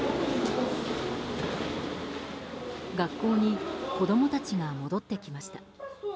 学校に子供たちが戻ってきました。